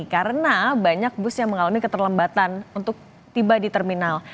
karena banyak bus yang mengalami keterlambatan untuk tiba di terminal